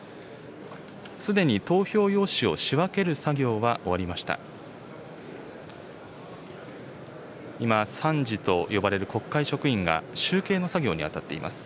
すでに投票用紙を仕分ける作業は終わりました。